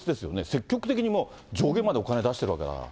積極的にもう、上限までお金出してるわけだから。